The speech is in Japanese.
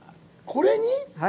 これに？